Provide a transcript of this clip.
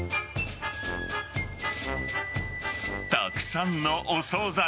たくさんのお総菜。